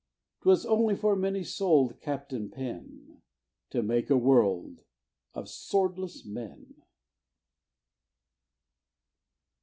'Twas only for many soul'd Captain Pen To make a world of swordless men.